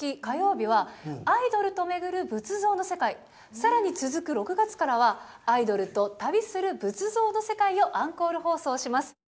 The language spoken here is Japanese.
火曜日は「アイドルと巡る仏像の世界」更に続く６月からは「アイドルと旅する仏像の世界」をアンコール放送します。